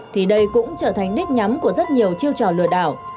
thì đây cũng trở thành đích nhắm của rất nhiều chiêu trò lừa đảo